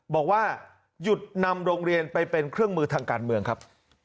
บอกว่าหยุดนำโรงเรียนไปเป็นเครื่องมือทางการเมืองครับ